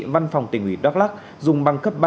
văn phòng tỉnh ủy đắk lắc dùng băng cấp ba